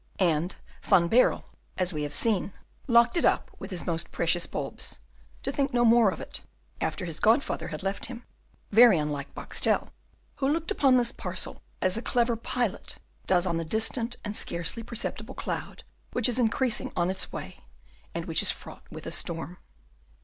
And Van Baerle, as we have seen, locked it up with his most precious bulbs, to think no more of it, after his godfather had left him; very unlike Boxtel, who looked upon this parcel as a clever pilot does on the distant and scarcely perceptible cloud which is increasing on its way and which is fraught with a storm.